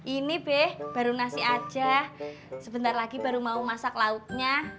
ini be baru nasi aja sebentar lagi baru mau masak lautnya